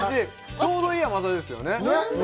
ちょうどいい甘さですよね。